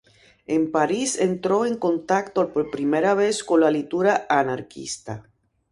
En París entró en contacto por primera vez con la literatura anarquista.